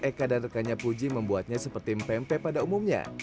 eka dan rekannya puji membuatnya seperti mpe mpe pada umumnya